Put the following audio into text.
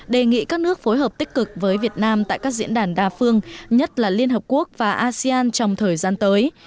đề nghị các nước phối hợp tích cực với việt nam tại các diễn đàn đa phương nhất là liên hợp quốc và asean trong thời gian tới